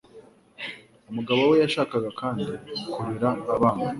Umugabo we yashakaga kandi kurera abana.